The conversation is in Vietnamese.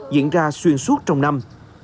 diễn ra xuyên suốt trong năm